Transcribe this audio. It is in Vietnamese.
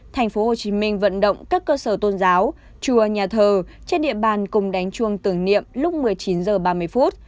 tp hcm vận động các cơ sở tôn giáo chùa nhà thờ trên địa bàn cùng đánh chuông tưởng niệm lúc một mươi chín h ba mươi